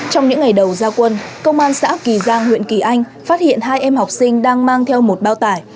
trong những ngày đầu gia quân công an xã kỳ giang huyện kỳ anh phát hiện hai em học sinh đang mang theo một bao tải